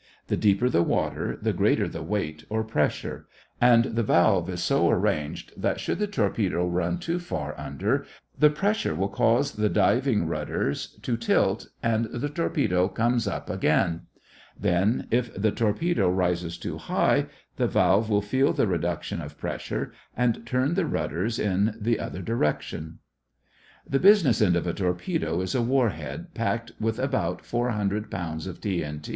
The deeper the water, the greater the weight or pressure; and the valve is so arranged that, should the torpedo run too far under, the pressure will cause the diving rudders to tilt until the torpedo comes up again; then if the torpedo rises too high, the valve will feel the reduction of pressure and turn the rudders in the other direction. The business end of a torpedo is a "war head" packed with about four hundred pounds of TNT.